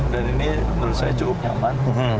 dan ini menurut saya cukup nyaman